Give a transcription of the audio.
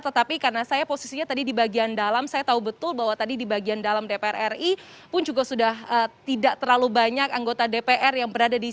tetapi karena saya posisinya tadi di bagian dalam saya tahu betul bahwa tadi di bagian dalam dpr ri pun juga sudah tidak terlalu banyak anggota dpr yang berada di sini